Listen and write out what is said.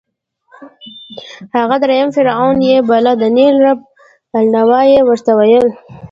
هغه درېیم فرعون یې باله، د نېل رب النوع یې ورته ویل.